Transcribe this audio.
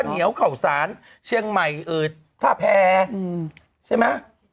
ข้าวเหนียวข่าวสาวเชียงใหม่ถ้าแพ้ใช่ไหม